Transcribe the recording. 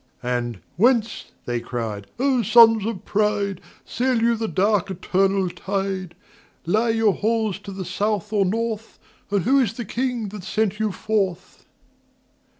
And "Whence," they cried, "O Sons of Pride, Sail you the dark eternal tide? Lie your halls to the South or North, And who is the King that sent you forth?"